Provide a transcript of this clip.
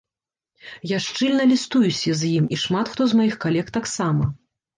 Я шчыльна лістуюся з ім, і шмат хто з маіх калег таксама.